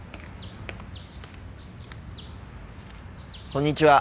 こんにちは。